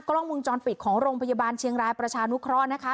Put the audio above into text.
กล้องวงจรปิดของโรงพยาบาลเชียงรายประชานุเคราะห์นะคะ